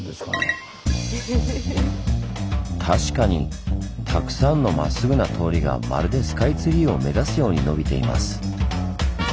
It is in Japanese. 確かにたくさんのまっすぐな通りがまるでスカイツリーを目指すようにのびています。